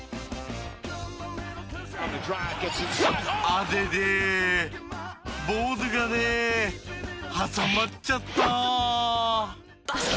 アデデボールがね挟まっちゃった。